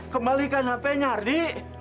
kembalikan hp nya ardi